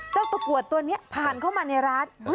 เจ้าตะกรวดตัวนี้ผ่านเข้ามาในร้าน